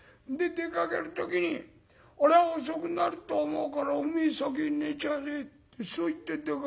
出かける時に『俺は遅くなると思うからおめえ先に寝ちゃえ』ってそう言って出かけたんだよ。